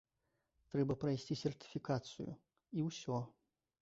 Трэба прайсці сертыфікацыю, і ўсё.